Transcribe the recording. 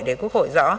để quốc hội rõ